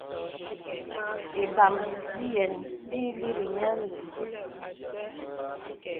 Bīmbām biyə̀n bì ï līri niə nzi.